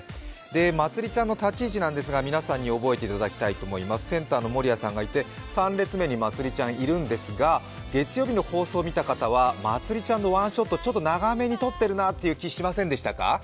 まつりちゃんの立ち位置なんですが皆さんに覚えていただきたいと思いますセンターの守屋さんがいて、３列目にまつりちゃんいるんですが月曜日の放送を見た方はまつりちゃんのワンショット、ちょっと長めに撮ってるなって気がしませんでしたか？